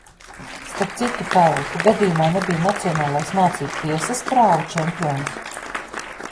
Starp citu, Kail, tu gadījumā nebiji nacionālais mācību tiesas prāvu čempions?